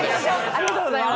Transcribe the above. ありがとうございます。